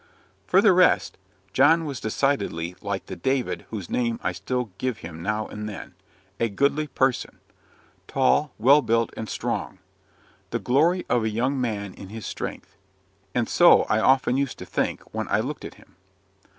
For the rest, John was decidedly like the "David" whose name I still gave him now and then "a goodly person;" tall, well built, and strong. "The glory of a young man is his strength;" and so I used often to think, when I looked at him.